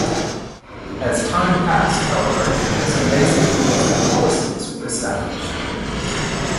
As time passed, however, some basic rules and policies were established.